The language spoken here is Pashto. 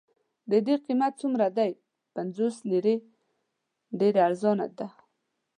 د دې قیمت څومره دی؟ پنځوس لیرې، ډېره ارزانه ده.